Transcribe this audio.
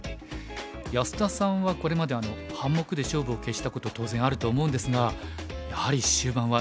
安田さんはこれまで半目で勝負を決したこと当然あると思うんですがやはり終盤は神経使うんでしょうか？